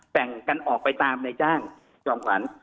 แบ่งกันออกไปตามในจ้างจอมขวัญ